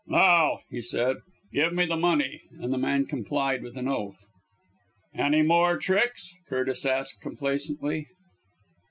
"Now," he said, "give me the money," and the man complied with an oath. "Any more tricks?" Curtis asked complacently.